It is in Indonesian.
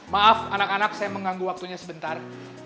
maaf anak anak saya mengganggu waktunya sebentar